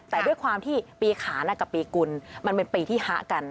แต่ด้วยความที่ปีขานกับปีกุลมันเป็นปีที่ฮะกัน